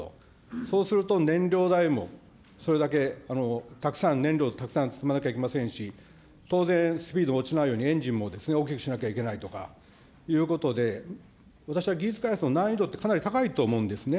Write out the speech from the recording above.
そうすると、燃料代もそれだけたくさん、燃料たくさん積まなきゃいけませんし、当然、スピード落ちないように、エンジンも大きくしなきゃいけないとかということで、私は技術開発の難易度ってかなり高いと思うんですね。